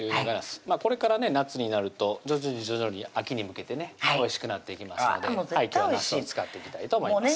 これからね夏になると徐々に徐々に秋に向けてねおいしくなっていきますので今日はなすを使っていきたいと思います